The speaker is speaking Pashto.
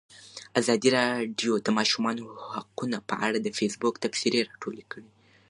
ازادي راډیو د د ماشومانو حقونه په اړه د فیسبوک تبصرې راټولې کړي.